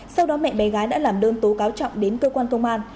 sau đó mẹ bé gái đã làm đơn tố cáo trọng đến cơ quan công an